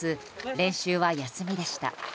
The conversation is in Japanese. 練習は休みでした。